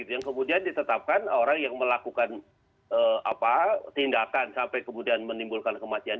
yang kemudian ditetapkan orang yang melakukan tindakan sampai kemudian menimbulkan kematian